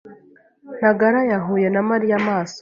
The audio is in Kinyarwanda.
Ntagara yahuye na Mariya amaso.